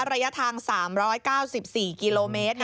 ระยะทาง๓๙๔กิโลเมตร